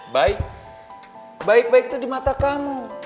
baik baik itu di mata kamu